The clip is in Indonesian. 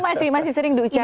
jadi itu masih sering diucapkan